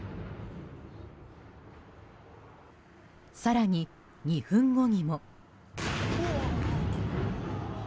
更に、２分後にも。